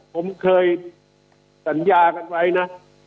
ผมเคยสัญญากันไว้นะ